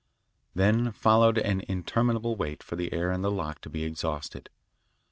Then followed an interminable wait for the air in the lock to be exhausted.